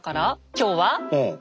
今日は？